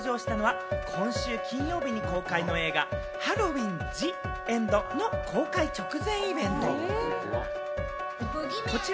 ゆうちゃみさんが登場したのは今週金曜日に公開の映画『ハロウィンＴＨＥＥＮＤ』の公開直前イベント。